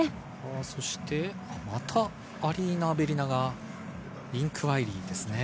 そして、またアリーナ・アベリナがインクワイアリーですね。